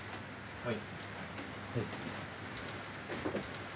はい。